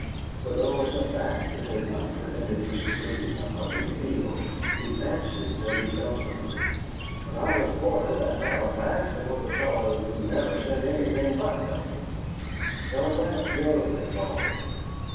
For though, as a fact, it had not prevented his completing a hearty meal, he fancied that he felt hungry. "When I was quartered at Halifax there was a fellow who never sent anything but telegrams. Telegraph Jo they called him.